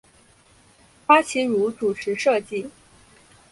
花琦如主持设计。